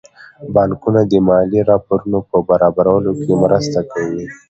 بانکونه د مالي راپورونو په برابرولو کې مرسته کوي.